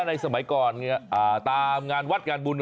สมัยก่อนตามงานวัดงานบุญ